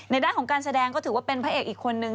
ด้านของการแสดงก็ถือว่าเป็นพระเอกอีกคนนึง